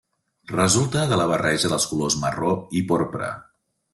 Resulta de la barreja dels colors marró i porpra.